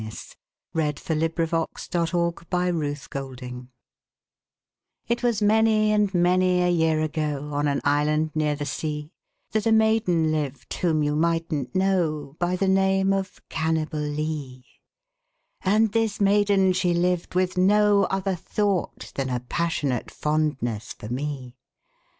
V^ Unknown, } 632 Parody A POE 'EM OF PASSION It was many and many a year ago, On an island near the sea, That a maiden lived whom you migbtnH know By the name of Cannibalee; And this maiden she lived with no other thought Than a passionate fondness for me.